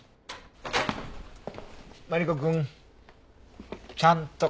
マリコくんちゃんと帰ってね。